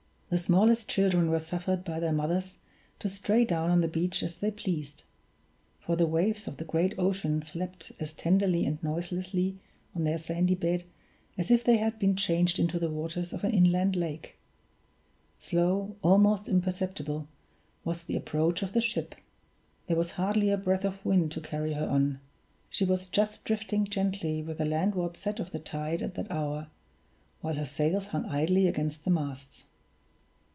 The smallest children were suffered by their mothers to stray down on the beach as they pleased; for the waves of the great ocean slept as tenderly and noiselessly on their sandy bed as if they had been changed into the waters of an inland lake. Slow, almost imperceptible, was the approach of the ship there was hardly a breath of wind to carry her on she was just drifting gently with the landward set of the tide at that hour, while her sails hung idly against the masts.